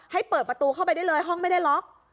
ให้เปิดประตูเข้าไปได้เลยห้องไม่ได้ล็อก